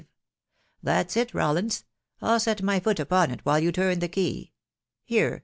That 8 it, Rawlins !.... I'll set my foot mpon it i you turn the key .... here